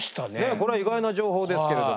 これは意外な情報ですけれども。